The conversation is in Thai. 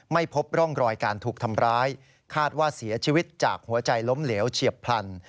ไม่พบร่องรอยการถูกทำร้ายคาดว่าเสียชีวิตจากหัวใจล้มเหลวเฉียบพลัน